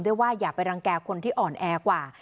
ว่าอย่าไปรังแก่คนที่อ่อนแอกว่า